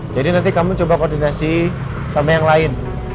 jadi nanti kamu coba koordinasi sama yang lain